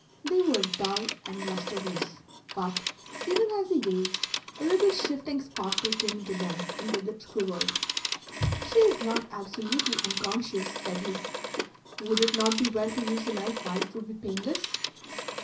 They were dull and lustreless, but, even as he gazed, a little shifting sparkle came into them, and the lips quivered. "She is not absolutely unconscious," said he. "Would it not be well to use the knife while it would be painless?"